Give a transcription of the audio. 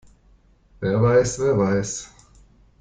Wer weiß, wer weiß?